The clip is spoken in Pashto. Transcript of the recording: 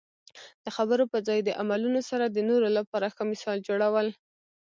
د خبرو په ځای د عملونو سره د نورو لپاره ښه مثال جوړول.